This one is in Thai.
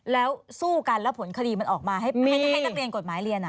แล้วสู้กันแล้วผลคดีมันออกมาให้นักเรียนกฎหมายเรียน